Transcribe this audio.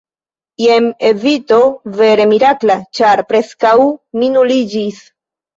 “Jen evito vere mirakla! Ĉar preskaŭ mi nuliĝis!”